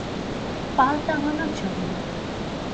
পাল টাঙানোর জন্য।